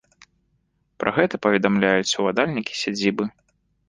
Пра гэта паведамляюць уладальнікі сядзібы.